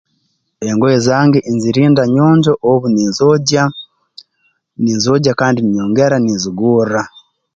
Engoye zange nzirinda nyonjo obu ninzogya ninzogya kandi ninyongera ninzigorra